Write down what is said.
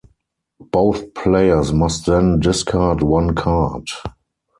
Both players must then discard one card.